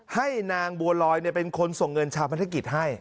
ให้นางบัวลอยเป็นคนส่งเงินชาวพนักกิจให้